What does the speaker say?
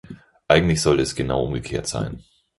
Eigentlich sollte es genau umgekehrt sein.